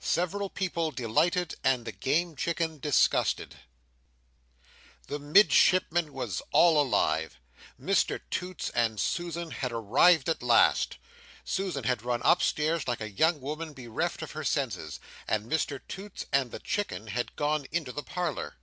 Several People delighted, and the Game Chicken disgusted The Midshipman was all alive. Mr Toots and Susan had arrived at last. Susan had run upstairs like a young woman bereft of her senses, and Mr Toots and the Chicken had gone into the Parlour.